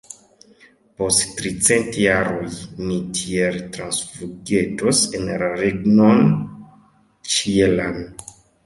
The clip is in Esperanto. Post tricent jaroj ni tiel transflugetos en la regnon ĉielan!